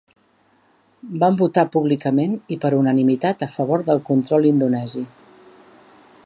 Van votar públicament i per unanimitat a favor del control indonesi.